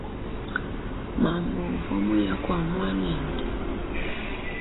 Mamu uva muya kua muanende.